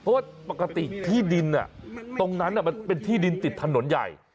โอ๊ยปกติที่ดินอ่ะตรงนั้นอ่ะมันเป็นที่ดินติดถนนใหญ่